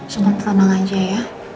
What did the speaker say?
semoga tenang aja ya